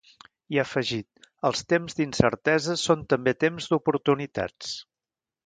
I ha afegit: Els temps d’incerteses són també temps d’oportunitats.